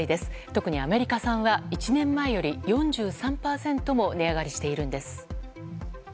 特にアメリカ産は１年前より４３％も値上がりしているんです。